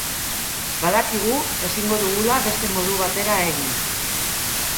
Badakigu ezingo dugula beste modu batera egin.